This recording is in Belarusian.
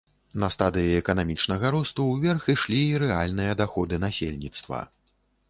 На стадыі эканамічнага росту ўверх ішлі і рэальныя даходы насельніцтва.